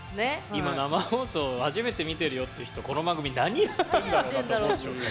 今生放送初めて見てるよって人この番組何やってんだろうなと思うでしょうね。